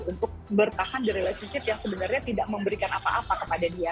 untuk bertahan di relationship yang sebenarnya tidak memberikan apa apa kepada dia